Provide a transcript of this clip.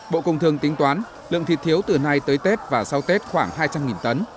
bộ công thương tính toán lượng thịt thiếu từ nay tới tết và sau tết khoảng hai trăm linh tấn